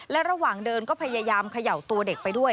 และระหว่างเดินก็พยายามเขย่าตัวเด็กไปด้วย